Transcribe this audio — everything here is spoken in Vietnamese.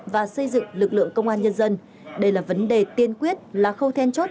và xây dựng lực lượng công an nhân dân đây là vấn đề tiên quyết là khâu then chốt